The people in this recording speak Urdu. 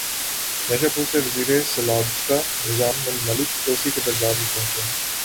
نیشا پور سے وزیر سلاجقہ نظام الملک طوسی کے دربار میں پہنچے